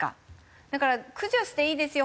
だから駆除していいですよ